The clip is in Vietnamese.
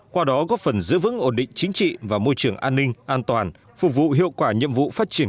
qua đó góp phần giữ vững ổn định chính trị và môi trường an ninh an toàn phục vụ hiệu quả nhiệm vụ phát triển